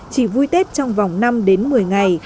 chỉ vui tết trong vòng năm đến một mươi ngày